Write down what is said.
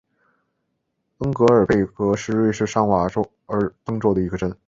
恩格尔贝格是瑞士上瓦尔登州的一个镇。